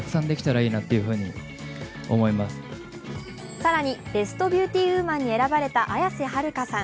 更にベストビューティウーマンに選ばれた綾瀬はるかさん。